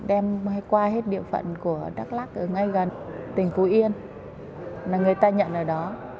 em hay qua hết địa phận của đắk lắc ở ngay gần tỉnh phú yên là người ta nhận ở đó